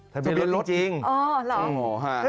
ทะเบียนรถจริงอ๋อเหรอ